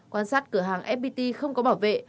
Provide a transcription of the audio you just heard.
quan sát cửa hàng fpt không có bảo vệ